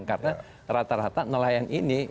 karena rata rata nelayan ini